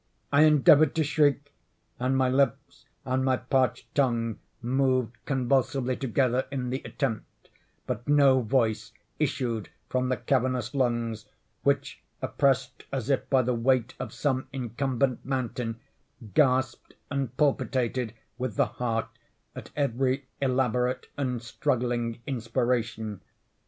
I endeavored to shriek; and my lips and my parched tongue moved convulsively together in the attempt—but no voice issued from the cavernous lungs, which oppressed as if by the weight of some incumbent mountain, gasped and palpitated, with the heart, at every elaborate and struggling inspiration.